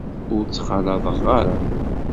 Ur t-ttxalaḍeɣ ara.